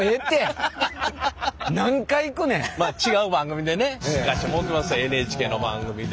まあ違う番組でね行かせてもろてますわＮＨＫの番組で。